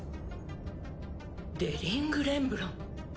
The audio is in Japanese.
デリング・レンブラン。